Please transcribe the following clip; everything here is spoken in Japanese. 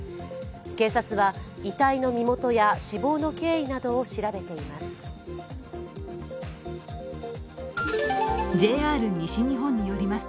警察は遺体の身元や死亡の経緯などを調べています。